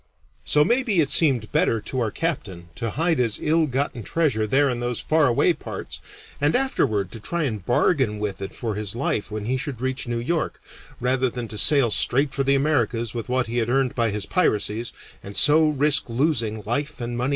So maybe it seemed better to our captain to hide his ill gotten treasure there in those far away parts, and afterward to try and bargain with it for his life when he should reach New York, rather than to sail straight for the Americas with what he had earned by his piracies, and so risk losing life and money both.